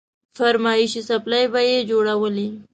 فرمايشي څپلۍ به يې جوړولې.